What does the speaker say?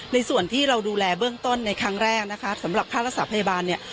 ส่วนที่เราดูแลเบื้องต้นในครั้งแรกนะคะสำหรับค่ารักษาพยาบาลเนี่ย